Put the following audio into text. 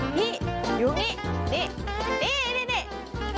นี่อยู่ตรงนี้นี่นี่นี่นี่